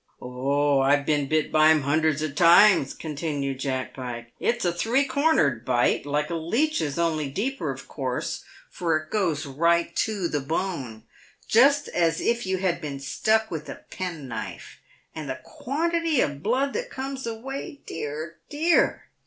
" Oh, I've been bit by 'em hundreds o' times," continued Jack Pike ;" it's a three cornered bite, like a leech's, only deeper, of course, for it goes right to the bone, just as if you had been stuck with a pen knife. And the quantity of blood that comes away, dear ! dear